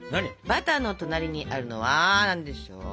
バターの隣にあるのは何でしょう。